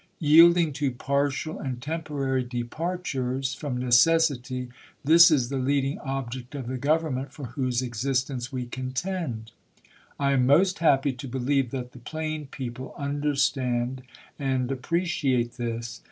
Yielding to partial and temporary departures, from necessity, this is the leading object of the Government for whose exist ence we contend. I am most happy to believe that the plain people understand and appreciate this.